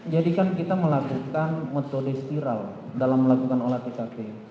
jadi kan kita melakukan metode spiral dalam melakukan olah tkp